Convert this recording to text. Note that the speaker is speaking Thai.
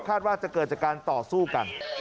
ว่าจะเกิดจากการต่อสู้กัน